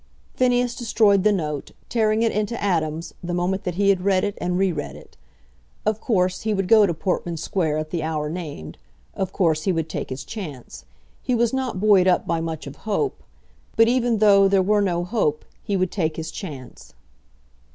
Phineas destroyed the note, tearing it into atoms, the moment that he had read it and re read it. Of course he would go to Portman Square at the hour named. Of course he would take his chance. He was not buoyed up by much of hope; but even though there were no hope, he would take his chance.